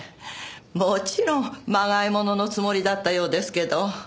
もちろんまがい物のつもりだったようですけど。